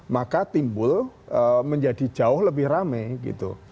maka timbul menjadi jauh lebih rame gitu